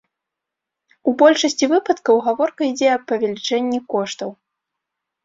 У большасці выпадкаў гаворка ідзе аб павелічэнні коштаў.